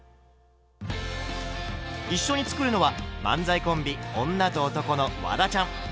一緒に作るのは漫才コンビ「女と男」のワダちゃん。